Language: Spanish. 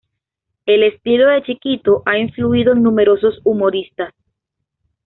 El estilo de Chiquito ha influido en numerosos humoristas.